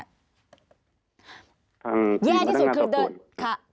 แย่ที่สุดคือเดินค่ะ